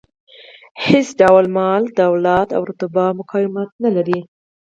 هېڅ ډول مال، دولت او رتبه مقاومت نه لري.